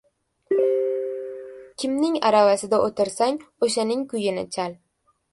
• Kimning aravasida o‘tirsang, o‘shaning kuyini chal.